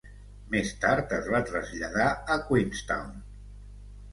Més tard es va traslladar a Queenstown.